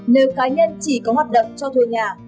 nếu cá nhân chỉ có hoạt động cho thuê nhà